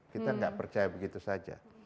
kita nggak percaya begitu saja